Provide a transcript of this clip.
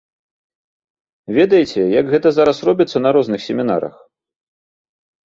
Ведаеце, як гэта зараз робіцца на розных семінарах.